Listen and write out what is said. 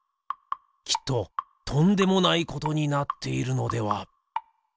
きっととんでもないことになっているのでは？